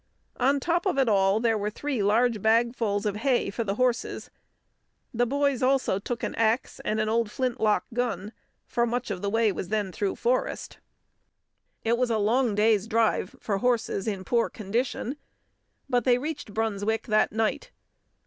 On top of it all there were three large bagfuls of hay for the horses. The boys also took an axe and an old flintlock gun, for much of the way was then through forest. It was a long day's drive for horses in poor condition, but they reached Brunswick that night.